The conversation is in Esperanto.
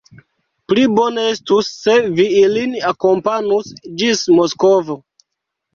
Pli bone estus, se vi ilin akompanus ĝis Moskvo.